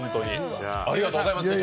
ありがとうございます、師匠。